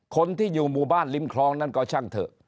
คนที่อยู่หมู่บ้านริมคลองนั้นก็ช่างเถอะ